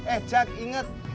eh jak inget